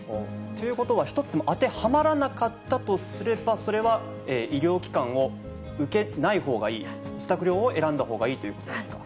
ということは一つも当てはまらなかったとすれば、それは医療機関を受けないほうがいい、自宅療養を選んだほうがいいということですか。